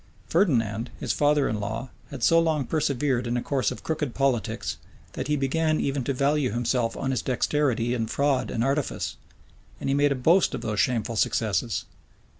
Ferdinand, his father in law, had so long persevered in a course of crooked politics, that he began even to value himself on his dexterity in fraud and artifice; and he made a boast of those shameful successes.